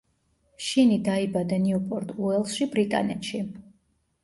შინი დაიბადა ნიუპორტ უელსში, ბრიტანეთში.